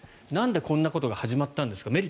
なんでこんなことが始まったんですか。